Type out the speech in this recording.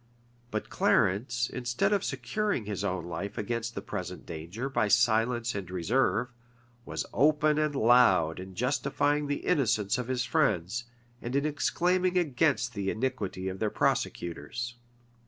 But Clarence, instead of securing his own life against the present danger by silence and reserve, was open and loud in justifying the innocence of his friends, and in exclaiming against the iniquity of their prosecutors.